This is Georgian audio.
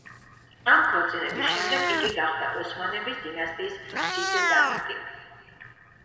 ამ ქორწინების შემდეგ იგი გახდა ოსმანების დინასტიის სიძე „დამატი“.